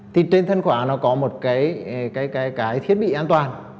thì trên thân khóa nó có một cái thiết bị an toàn